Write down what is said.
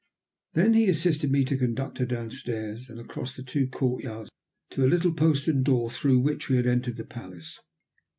Then he assisted me to conduct her down stairs, and across the two courtyards, to the little postern door through which we had entered the palace.